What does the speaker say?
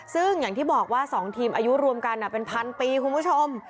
ซึ่งอย่างที่บอกว่า๒ทีมอายุรวมกันเป็นพันปีคุณผู้ชม